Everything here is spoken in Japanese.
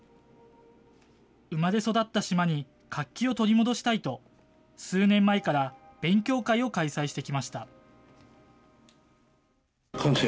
生まれ育った島に活気を取り戻したいと、数年前から勉強会を開催してきました。